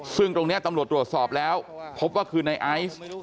ซึ่งตรงนี้ตำรวจตรวจสอบแล้วพบว่าคือในไอซ์